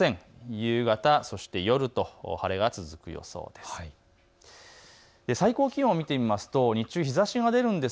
夕方、そして夜と晴れが続く予想です。